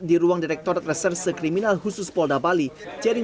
di ruang direktor traser sekriminal khusus polda bali jaring